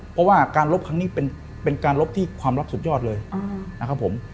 เพราะว่าการลบครั้งนี้เป็นการลบที่ความลับสุดยอดเลยนะครับผม